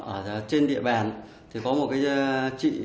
ở trên địa bàn thì có một chị